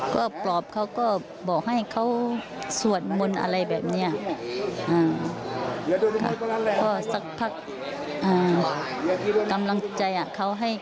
ก็ก็สักพักกำลังใจให้เขาในเหรอ